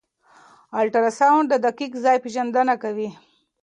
الټراساؤنډ د دقیق ځای پېژندنه کوي.